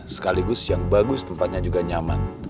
sekaligus yang bagus tempatnya juga nyaman